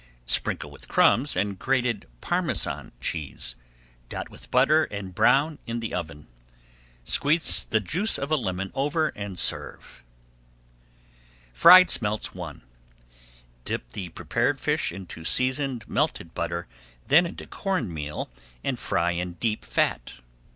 Sprinkle with crumbs and grated Parmesan cheese, dot with butter, and brown in the oven. Squeeze the juice of a lemon over and serve. FRIED SMELTS I Dip the prepared fish into seasoned, melted butter, then into corn meal, and fry in deep fat.